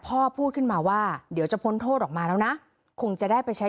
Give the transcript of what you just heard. พูดขึ้นมาว่าเดี๋ยวจะพ้นโทษออกมาแล้วนะคงจะได้ไปใช้